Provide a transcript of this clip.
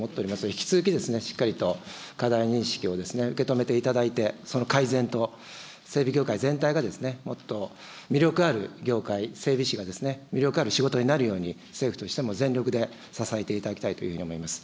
引き続き、しっかりと課題認識を受け止めていただいて、その改善と整備業界全体がもっと魅力ある業界、整備士が、魅力ある仕事になるように政府としても全力で支えていただきたいというふうに思います。